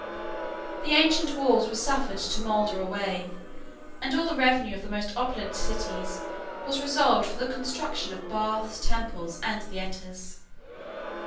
The ancient walls were suffered to moulder away, and all the revenue of the most opulent cities was reserved for the construction of baths, temples, and theatres.